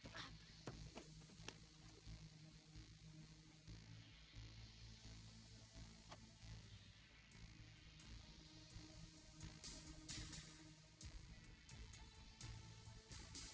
nah gue tau tuh caranya